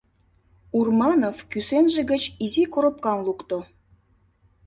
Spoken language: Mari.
— Урманов кӱсенже гыч изи коробкам лукто.